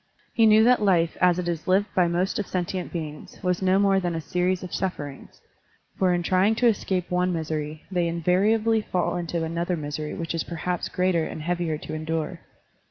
He knew that life as it is lived by most of sentient beings was no more than a series of sufferings, for in trying to escape one misery they invariably fall into another misery which is perhaps greater and heavier to endure.